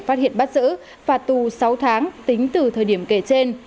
phát hiện bắt giữ phạt tù sáu tháng tính từ thời điểm kể trên